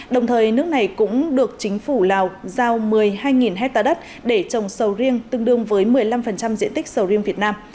đồng thời nước này cũng được chính phủ lào giao một mươi hai hectare đất để trồng sầu riêng tương đương với một mươi năm diện tích sầu riêng việt nam